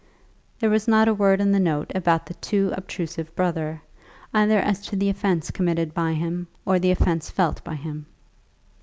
There was not a word in the note about the too obtrusive brother, either as to the offence committed by him, or the offence felt by him.